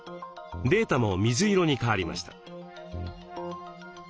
データも水色に変わりました。